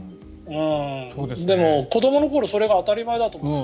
でも子どもの頃はそれが当たり前だと思ってた。